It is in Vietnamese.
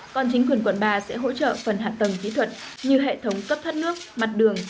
con chính quyền quận ba sẽ hỗ trợ phần hạt tầng kỹ thuật như hệ thống cấp thắt nước mặt đường